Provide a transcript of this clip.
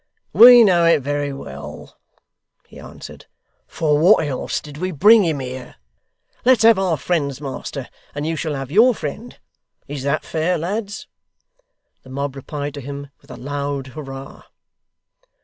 'We know it very well,' he answered, 'for what else did we bring him here? Let's have our friends, master, and you shall have your friend. Is that fair, lads?' The mob replied to him with a loud Hurrah!